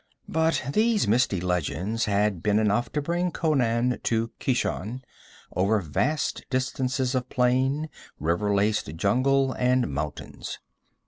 But these misty legends had been enough to bring Conan to Keshan, over vast distances of plain, river laced jungle, and mountains.